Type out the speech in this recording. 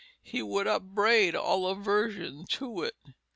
He would upbraid all aversion to it.